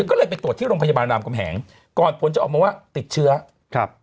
ก็เลยไปตรวจที่โรงพยาบาลรามกำแหงก่อนผลจะออกมาว่าติดเชื้อครับ